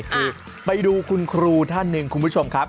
คือไปดูคุณครูท่านหนึ่งคุณผู้ชมครับ